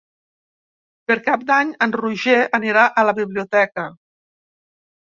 Per Cap d'Any en Roger anirà a la biblioteca.